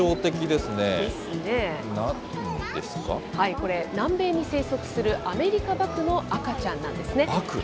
これ南米に生息するアメリカバクの赤ちゃんなんですね。